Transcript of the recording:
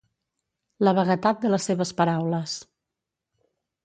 La vaguetat de les seves paraules.